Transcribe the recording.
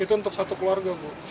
itu untuk satu keluarga bu